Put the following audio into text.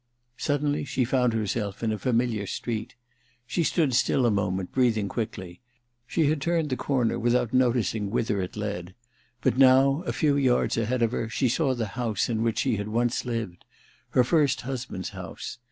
... Suddenly she found herself in a familiar street. She stood still a moment, breathing quickly. She had turned the corner without noticing whither it led ; but now, a few yards ahead of her, she saw the house in which she had once lived — her first husband's house.